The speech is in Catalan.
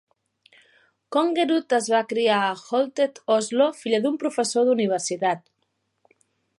Kongerud es va criar a Holtet, Oslo, filla d'un professor d'universitat.